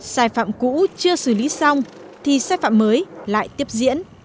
xài phạm cũ chưa xử lý xong thì xài phạm mới lại tiếp diễn